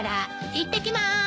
いってきます。